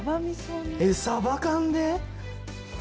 えっサバ缶で？